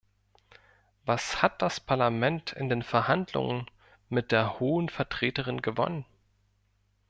Was hat das Parlament in den Verhandlungen mit der Hohen Vertreterin gewonnen?